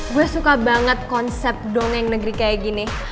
gue suka banget konsep dong yang negeri kayak gini